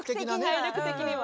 体力的には。